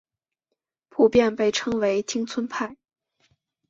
普遍被称为町村派。